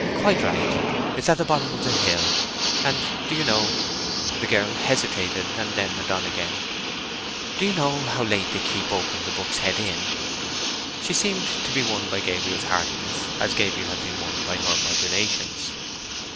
"Quite right. It's at the bottom of the hill. And do you know—" The girl hesitated and then went on again. "Do you know how late they keep open the Buck's Head Inn?" She seemed to be won by Gabriel's heartiness, as Gabriel had been won by her modulations.